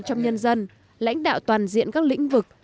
trong nhân dân lãnh đạo toàn diện các lĩnh vực